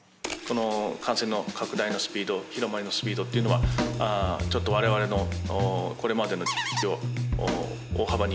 「この感染の拡大のスピード広まりのスピードっていうのはちょっとわれわれの」